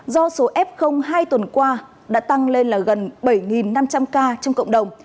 do số f hai tuần qua đã tăng lên là gần bảy năm trăm linh ca trong cộng đồng